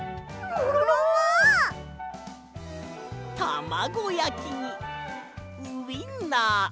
たまごやきにウインナー。